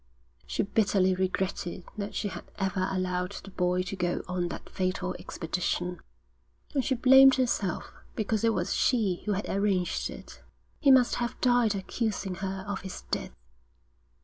She bitterly regretted that she had ever allowed the boy to go on that fatal expedition, and she blamed herself because it was she who had arranged it. He must have died accusing her of his death.